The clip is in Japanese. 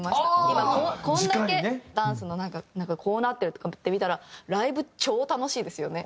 今こんだけダンスのなんかこうなってるとかって見たらライブ超楽しいですよね。